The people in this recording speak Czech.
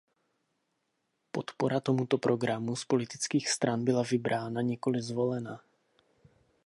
Podpora tomuto programu z politických stran byla vybrána, nikoli zvolena.